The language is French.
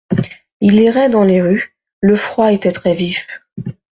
Il errait dans les rues, le froid était très-vif.